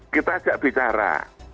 kita ajak bicara